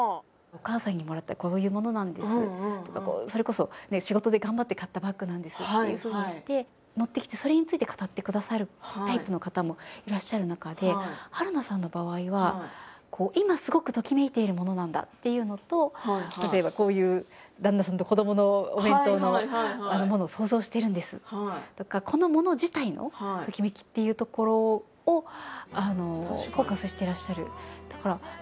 「お母さんにもらったこういうものなんです」とかそれこそ「仕事で頑張って買ったバッグなんです」っていうふうにして持ってきてそれについて語ってくださるタイプの方もいらっしゃる中で春菜さんの場合は今すごくときめいているものなんだっていうのと例えばこういう「旦那さんと子どものお弁当のものを想像してるんです」とかこのもの自体のときめきっていうところをフォーカスしてらっしゃる。